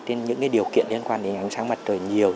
nên những điều kiện liên quan đến ánh sáng mặt trời nhiều